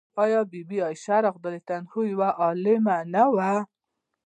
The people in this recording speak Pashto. آیا بی بي عایشه یوه عالمه نه وه؟